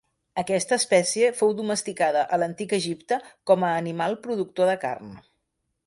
Aquesta espècie fou domesticada a l'antic Egipte com a animal productor de carn.